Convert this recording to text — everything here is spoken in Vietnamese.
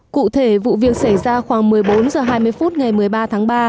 cụ thể vụ việc xảy ra khoảng một mươi bốn h hai mươi phút ngày một mươi ba tháng ba